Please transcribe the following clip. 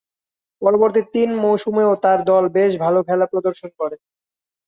পরবর্তী তিন মৌসুমেও তার দল বেশ ভালো খেলা প্রদর্শন করে।